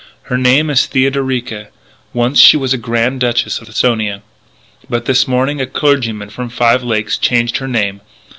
Her name is Theodorica.... Once she was Grand Duchess of Esthonia.... But this morning a clergyman from Five Lakes changed her name....